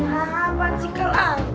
apaan sih kelang